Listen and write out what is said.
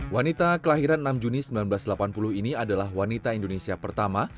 wanita kelahiran enam juni seribu sembilan ratus delapan puluh ini adalah wanita indonesia pertama